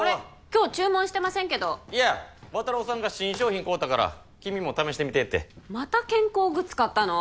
今日注文してませんけどいや綿郎さんが新商品買うたから君も試してみてってまた健康グッズ買ったの？